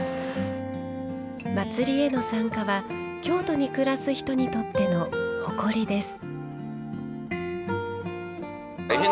祭りへの参加は京都に暮らす人にとっての誇りです。